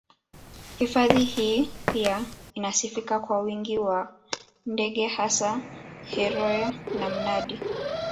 Hifadhi hii pia inasifika kwa wingi wa ndege hasa heroe na mnandi